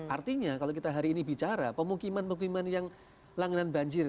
artinya kalau kita hari ini bicara pemukiman pemukiman yang langganan banjir